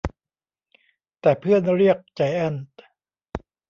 แต่เพื่อนเรียกไจแอนท์